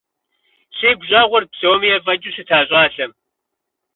Сигу щӀэгъурт псоми ефӀэкӀыу щыта щӏалэм.